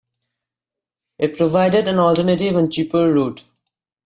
It provided an alternative and cheaper route.